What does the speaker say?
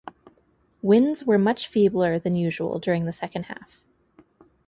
Winds were much feebler than usual during the second half.